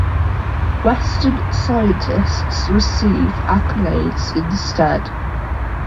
Western scientists received accolades instead.